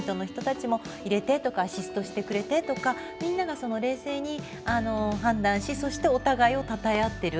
ローポインターの人たちも入れてアシストしてくれてとかみんなが冷静に判断しそしてお互いをたたえ合ってる。